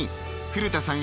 古田さん